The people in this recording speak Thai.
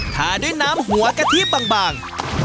ทาด้วยน้ำหัวกะทิบาง